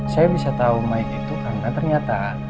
saya bisa tahu mike itu karena ternyata